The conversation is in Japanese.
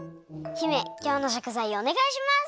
姫きょうのしょくざいをおねがいします！